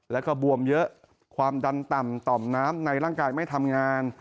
แล้วก็บวมเยอะความดันต่ำต่อมน้ำในร่างกายไม่ทำงาน